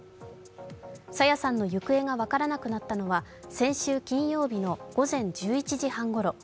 朝芽さんの行方が分からなくなったのは先週金曜日の午前１１時半ごろ。